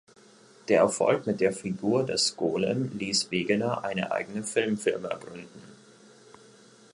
Der Erfolg mit der Figur des Golem ließ Wegener eine eigene Filmfirma gründen.